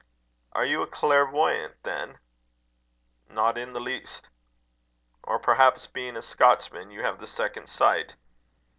"Are you a clairvoyant, then?" "Not in the least." "Or, perhaps, being a Scotchman, you have the second sight?"